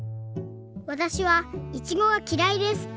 「わたしはいちごがきらいです。